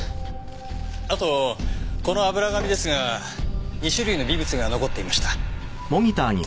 あとこの油紙ですが２種類の微物が残っていました。